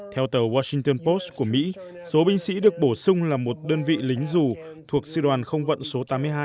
theo tàu washington post của mỹ số binh sĩ được bổ sung là một đơn vị lính dù thuộc sư đoàn không vận số tám mươi hai